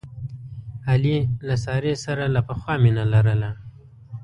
علي له سارې سره له پخوا مینه لرله.